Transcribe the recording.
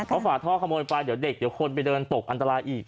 เอาฝาท่อขโมยไปเดี๋ยวคนไปเดินตกอันตรายอีก